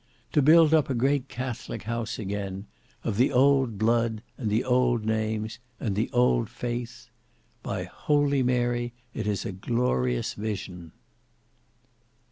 To build up a great Catholic house again; of the old blood, and the old names, and the old faith,—by holy Mary it is a glorious vision!"